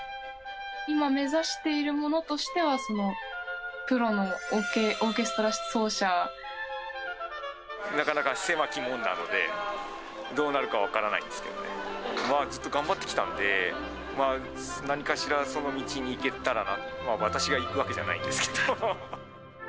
今、目指しているものとしては、なかなか狭き門なので、どうなるか分からないですけどね、ずっと頑張ってきたんで、何かしらその道にいけたらなって、私が行くわけじゃないんですけど。